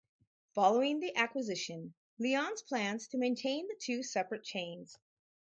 Following the acquisition, Leon's plans to maintain the two separate chains.